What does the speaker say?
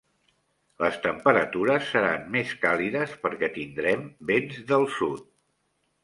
Les temperatures seran més càlides perquè tindrem vents del sud.